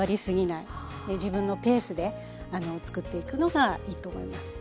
自分のペースでつくっていくのがいいと思います。